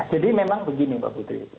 jadi memang begini pak putri